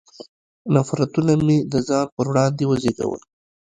نفرتونه مې د ځان پر وړاندې وزېږول.